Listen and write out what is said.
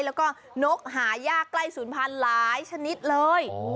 แล้วก็นกหายากใกล้ศูนย์พันธุ์หลายชนิดเลย